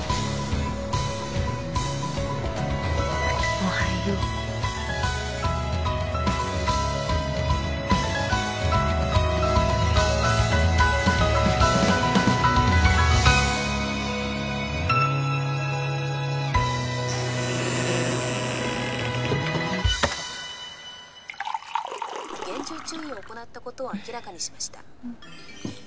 おはよう厳重注意を行ったことを明らかにしました次のニュースです